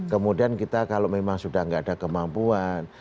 kemudian kita kalau memang sudah tidak ada kemampuan